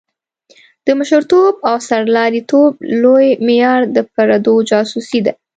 د مشرتوب او سرلاري توب لوی معیار د پردو جاسوسي ده.